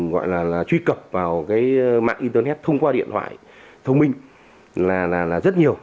gọi là truy cập vào cái mạng internet thông qua điện thoại thông minh là rất nhiều